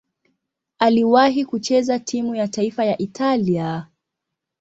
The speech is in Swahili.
Aliwahi kucheza timu ya taifa ya Italia.